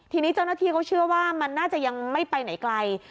ทีนี้เจ้าหน้าที่เขาเชื่อว่ามันน่าจะยังไม่ไปไหนไกล